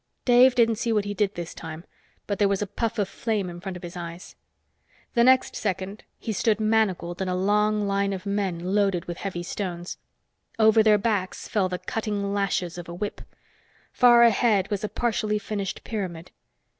Dave didn't see what he did this time, but there was a puff of flame in front of his eyes. The next second, he stood manacled in a long line of men loaded with heavy stones. Over their backs fell the cutting lashes of a whip. Far ahead was a partially finished pyramid.